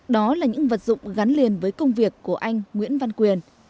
đó là những vật dụng gắn liền với công việc của anh nguyễn văn quyền